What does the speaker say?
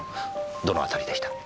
どの辺りでした？